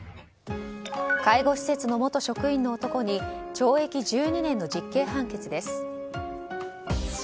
介護施設の元職員の男に懲役１２年の実刑判決です。